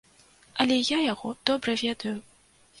Але я яго добра ведаю.